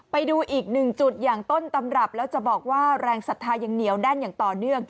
ไปดูอีกหนึ่งจุดอย่างต้นตำรับแล้วจะบอกว่าแรงศรัทธายังเหนียวแน่นอย่างต่อเนื่อง